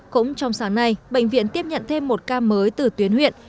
cũng trong sáng nay bệnh viện tiếp nhận thêm một ca mới từ tuyến huyện